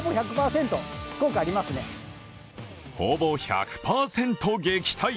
ほぼ１００％撃退。